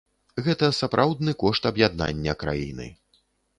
Гэта сапраўдны кошт аб'яднання краіны.